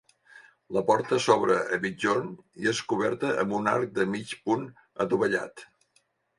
La porta s'obre a migjorn i és coberta amb un arc de mig punt adovellat.